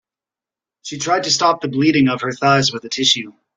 She tried to stop the bleeding of her thighs with a tissue.